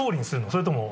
それとも。